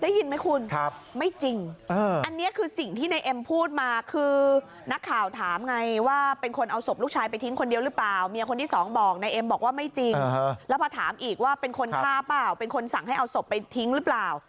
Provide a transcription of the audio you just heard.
ได้ยินไหมคุณไม่จริงอันนี้คือสิ่งที่นายเอ็มพูดมาคือนักข่าวถามไงว่าเป็นคนเอาศพลูกชายไปทิ้งคนเดียวหรือเปล่าเมียคนที่สองบอกนายเอ็มบอกว่าไม่จริงแล้วพอถามอีกว่าเป็นคนฆ่าเปล่าเป็นคนสั่งให้เอาศพไปทิ้งหรือเปล่า